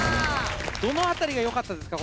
どのあたりが良かったですか？